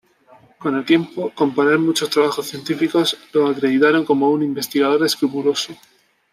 Con el tiempo, componer muchos trabajos científicos lo acreditaron como un investigador escrupuloso.